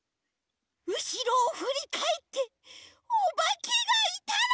うしろをふりかえっておばけがいたら。